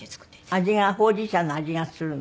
味がほうじ茶の味がするの？